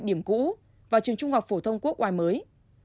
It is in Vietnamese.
điểm cũ và trường trung học phổ thông quốc oai mới